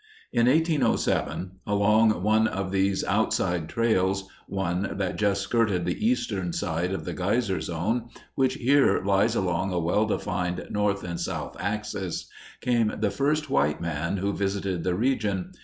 In 1807, along one of these outside trails one that just skirted the eastern side of the geyser zone, which here lies along a well defined north and south axis came the first white man who visited the region.